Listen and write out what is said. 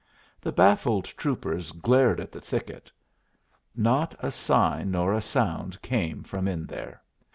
The baffled troopers glared at the thicket. Not a sign nor a sound came from in there.